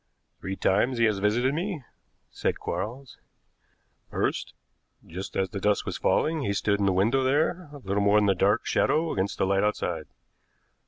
"Three times he has visited me," said Quarles. "First, just as the dusk was falling he stood in the window there, little more than a dark shadow against the light outside.